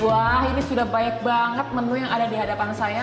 wah ini sudah banyak banget menu yang ada di hadapan saya